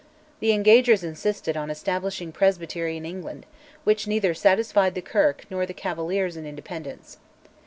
The Engagers insisted on establishing presbytery in England, which neither satisfied the Kirk nor the Cavaliers and Independents.